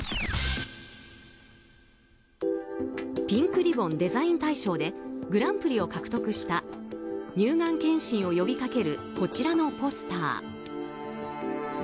ピンクリボンデザイン大賞でグランプリを獲得した乳がん検診を呼びかけるこちらのポスター。